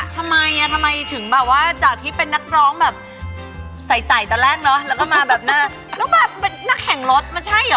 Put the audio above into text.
ทำไมอ่ะทำไมถึงแบบว่าจากที่เป็นนักร้องแบบใสตอนแรกเนอะแล้วก็มาแบบหน้าแล้วแบบเป็นนักแข่งรถมันใช่เหรอ